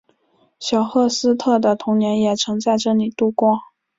小赫斯特的童年也曾在这里度过。